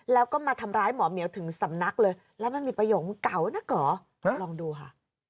แล้วก็มาทำร้ายหมอเหมียวถึงสำนักเลยแล้วมันมีประโยคว่าเก่านักเหรอลองดูค่ะ